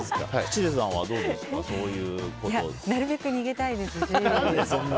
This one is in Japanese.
なるべく逃げたいですね。